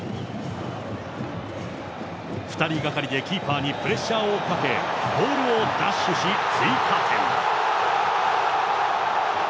２人がかりでキーパーにプレッシャーをかけ、ボールを奪取し、追加点。